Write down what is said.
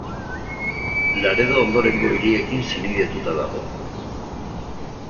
Laredo ondorengo hiriekin senidetuta dago.